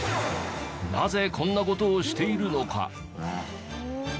なぜこんな事をしているのか？